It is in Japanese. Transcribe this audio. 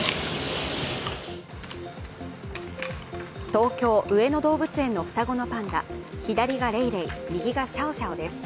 東京・上野動物園の双子のパンダ左がレイレイ、右がシャオシャオです。